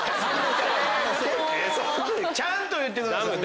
ちゃんと言ってください。